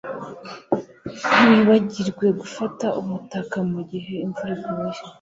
Ntiwibagirwe gufata umutaka mugihe imvura iguye.